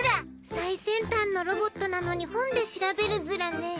最先端のロボットなのに本で調べるズラね。